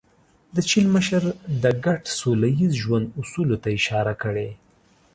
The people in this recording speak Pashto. د چین مشر د ګډ سوله ییز ژوند اصولو ته اشاره کړې.